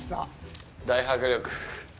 大迫力。